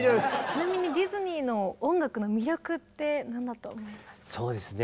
ちなみにディズニーの音楽の魅力って何だと思いますか？